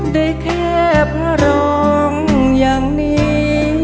ได้แค่พระรองอย่างนี้